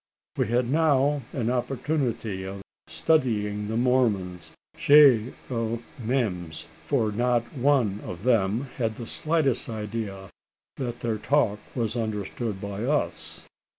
We had now an opportunity of studying the Mormons chez eux memes: for not one of them had the slightest idea that their talk was understood by us.